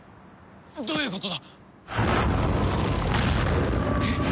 どういうことだ！？